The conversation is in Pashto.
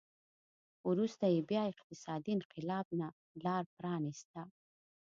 وروسته یې بیا اقتصادي انقلاب ته لار پرانېسته